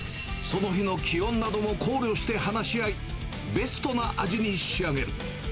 その日の気温なども考慮して話し合い、ベストな味に仕上げる。